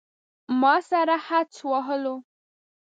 ما سره حدس وهلو.